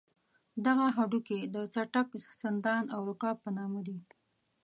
دغه هډوکي د څټک، سندان او رکاب په نامه دي.